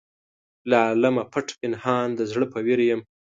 له عالمه پټ پنهان د زړه په ویر یم.